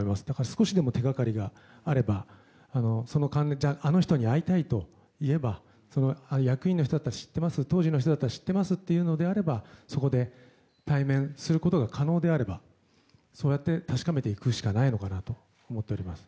少しでも手掛かりがあればあの人に会いたいと言えば役員の人だったら知ってます当時の人なら知ってますというのであればそこで対面することが可能であればそうやって確かめていくしかないのかなと思っております。